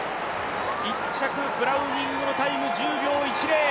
１着、ブラウニングのタイム１０秒１０。